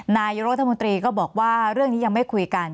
นายกรัฐมนตรีก็บอกว่าเรื่องนี้ยังไม่คุยกัน